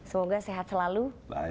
semoga sehat selalu